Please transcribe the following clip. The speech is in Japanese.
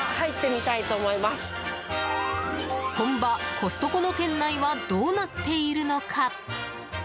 本場コストコの店内はどうなっているのか。